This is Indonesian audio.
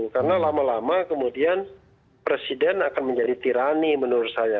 karena lama lama kemudian presiden akan menjadi tirani menurut saya